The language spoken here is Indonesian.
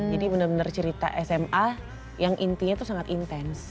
jadi benar benar cerita sma yang intinya itu sangat intens